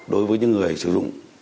đối với những người sử dụng